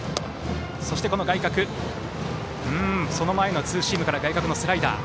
その前のツーシームから外角のスライダー。